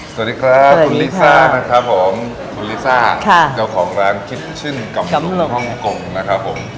สวัสดีครับคุณลิซ่านะครับผมคุณลิซ่าเจ้าของร้านคิดชื่นกับฮ่องกงนะครับผม